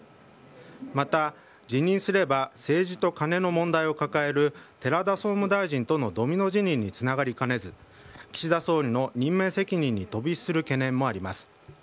また、辞任すれば政治とカネの問題を抱える寺田総務大臣とのドミノ辞任につながりかねず岸田総理の任命責任に飛び火する懸念もあります。